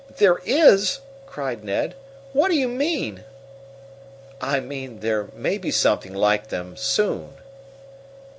"There is!" cried Ned. "What do you mean?" "I mean there may be something like them soon."